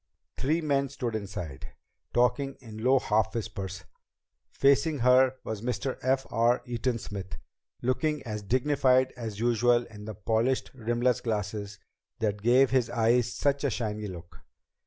Three men stood inside, talking in low half whispers. Facing her was Mr. F. R. Eaton Smith, looking as dignified as usual in the polished rimless glasses that gave his eyes such a shiny look.